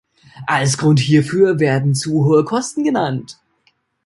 Als Grund hierfür werden zu hohe Kosten genannt.